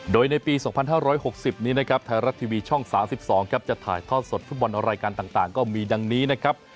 โดยในปี๒๕๖๐นี้นะครับไทยรัฐทีวีช่อง๓๒ครับจะถ่ายทอดสดฟุตบอลรายการต่างก็มีดังนี้นะครับ